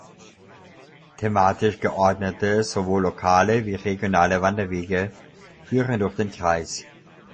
Thematisch geordnete, sowohl lokale wie regionale Wanderwege führen durch den Kreis.